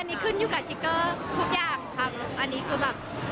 อันนี้ขึ้นอยู่กับจิ๊กเกอร์ทุกอย่างครับอันนี้คือแบบ